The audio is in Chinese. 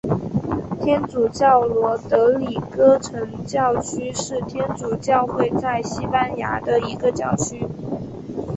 天主教罗德里戈城教区是天主教会在西班牙的一个教区。